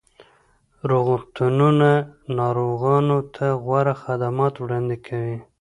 روغتونونه ناروغانو ته غوره خدمات وړاندې کوي.